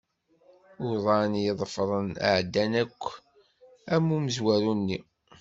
Uḍan i d-iḍefren ɛeddan akk am umezwaru-nni.